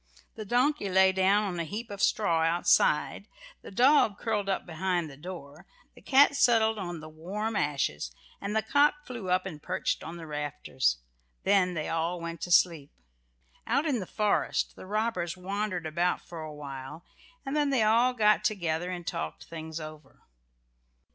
The donkey lay down on a heap of straw outside, the dog curled up behind the door, the cat settled down on the warm ashes, and the cock flew up and perched on the rafters. Then they all went to sleep. Out in the forest the robbers wandered about for awhile, and then they all got together and talked things over.